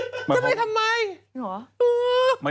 จะไปทำไม